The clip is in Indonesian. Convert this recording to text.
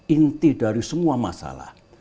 inti dari semua masalah